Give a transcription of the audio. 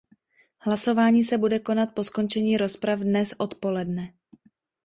Hlasování se bude konat po skončení rozprav dnes odpoledne.